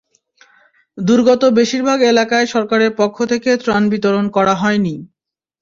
দুর্গত বেশির ভাগ এলাকায় সরকারের পক্ষ থেকে ত্রাণ বিতরণ করা হয়নি।